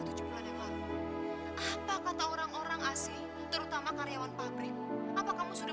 tujuh bulan yang lalu apa kata orang orang asing terutama karyawan pabrik apa kamu sudah